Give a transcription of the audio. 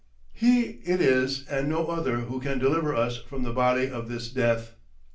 He it is and no other who can deliver us "from the body of this death."